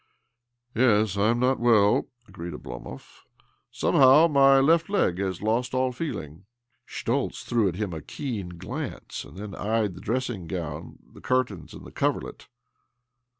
" Yes, I am not well," agreed Oblomov. " Somehow my left leg has lost all feeling." Schtoltz threw at him a keen glance, and then eyed the dressing gown, the curtains, and the coverlet.